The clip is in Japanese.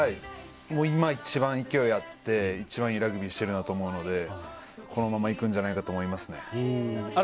今一番、いきおいがあって、いいラグビーをしていると思うので、このままいくんじゃないかなと思いますね。